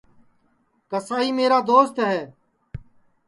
کسائی میرا دوست ہے